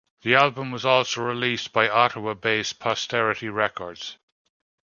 The album was also released by Ottawa-based Posterity Records.